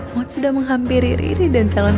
maud sudah menghampiri riri dan calon bayinya